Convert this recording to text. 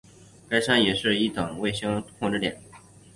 该山也是一等卫星控制点。